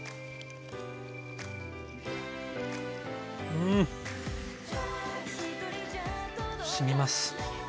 うん！しみます。